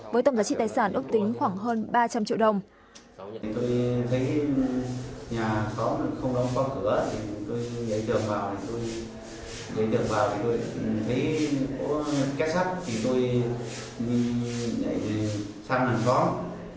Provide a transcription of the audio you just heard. với tổng giá trị tài sản ước tính khoảng hơn ba trăm linh triệu đồng